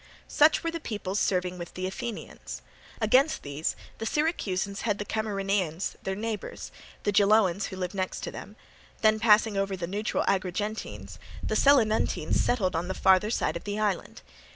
Such were the peoples serving with the Athenians. Against these the Syracusans had the Camarinaeans their neighbours, the Geloans who live next to them; then passing over the neutral Agrigentines, the Selinuntines settled on the farther side of the island.